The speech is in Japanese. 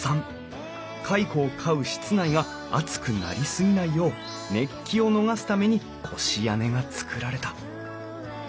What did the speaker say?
蚕を飼う室内が暑くなり過ぎないよう熱気を逃がすために越屋根が造られた。